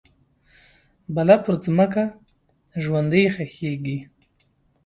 بله پرمځکه ژوندۍ ښخیږې